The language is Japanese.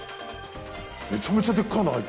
めちゃめちゃでっかい穴開いてる。